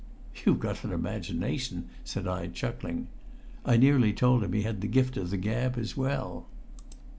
"You've got an imagination," said I, chuckling. I nearly told him he had the gift of the gab as well.